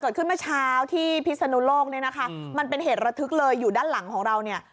เมื่อเช้าที่พิศนุโลกเนี่ยนะคะมันเป็นเหตุระทึกเลยอยู่ด้านหลังของเราเนี่ย